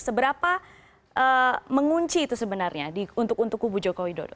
seberapa mengunci itu sebenarnya untuk kubu joko widodo